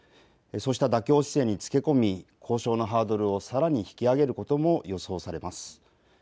そうした妥協姿勢につけ込み交渉のハードルをさらに引き上げることも予想されます。